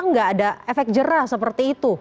nggak ada efek jerah seperti itu